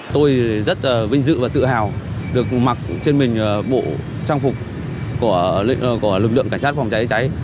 tôi rất vinh dự và tự hào được mặc trên mình bộ trang phục lực lượng cảnh sát phòng cháy cháy